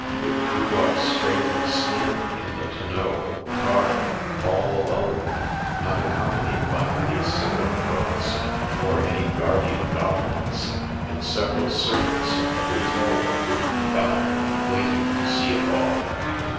It grew up straight and slim in the tonneau of the car, all alone, unaccompanied by any similar growths, or any guardian goblins; and several servants of the hotel were grouped about, waiting to see it off.